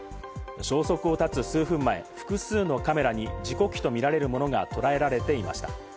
消息を絶つ数分前、複数のカメラに事故機とみられるものがとらえられていました。